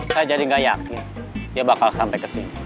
saya jadi gak yakin dia bakal sampai kesini